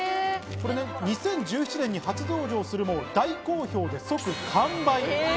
２０１７年に初登場するも、大好評で即完売。